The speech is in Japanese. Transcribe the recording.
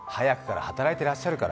早くから働いてらっしゃるから。